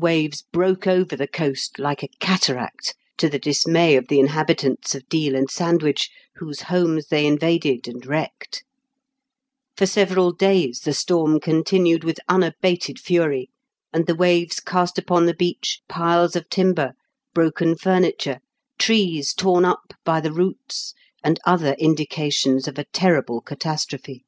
waves broke over the coast like a cataract, ta the dismay of the inhabitants of Deal and Sandwich, whose homes they invaded and wrecked For several days the storm con tinued with unabated fury, and the waves cast upon the beach piles of timber, broken furniture, trees torn up by the roots, and other indications of a terrible catastrophe.